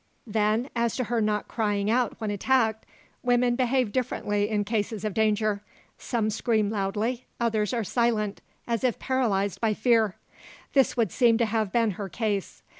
"Then, as to her not crying out when attacked, women behave differently in cases of danger. Some scream loudly, others are silent, as if paralysed by fear. This would seem to have been her case.